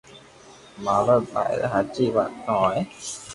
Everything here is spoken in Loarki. مارا باري ۾ ھاچي واتون ھوئي